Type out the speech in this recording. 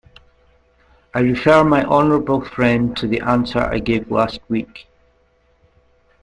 I refer my honourable friend to the answer I gave last week.